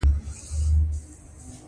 کروندګر د خپلو پټیو ساتنه دنده ګڼي